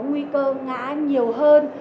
nguy cơ ngã nhiều hơn